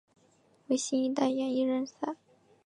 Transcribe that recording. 为新一代演艺人才。